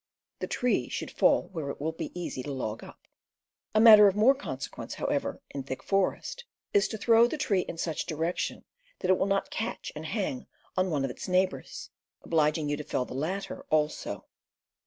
The tree should fall where it will be easy to log up. A matter of more consequence, however, in thick forest, is to throw the tree in such direction that it will not catch and hang on one of its neighbors, obliging you to fell the latter also.